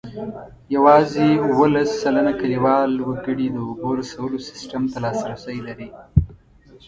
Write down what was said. یوازې اوولس سلنه کلیوال وګړي د اوبو رسولو سیسټم ته لاسرسی لري.